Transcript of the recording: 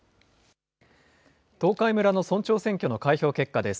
東海村の村長選挙の開票結果です。